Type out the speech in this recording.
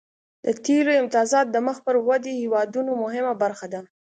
د تیلو امتیازات د مخ پر ودې هیوادونو مهمه برخه ده